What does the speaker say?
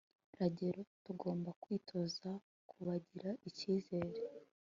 ragezo tugomba kwitoza kubagirira ikizere